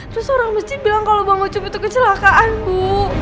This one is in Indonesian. terus orang masjid bilang kalau bang ucup itu kecelakaan bu